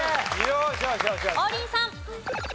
王林さん。